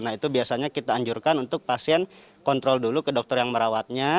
nah itu biasanya kita anjurkan untuk pasien kontrol dulu ke dokter yang merawatnya